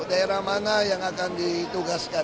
daerah mana yang akan ditugaskan